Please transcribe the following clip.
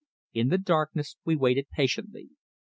In the darkness we waited patiently.